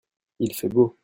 Il fait beau.